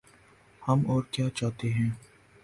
ہم اور کیا چاہتے ہیں۔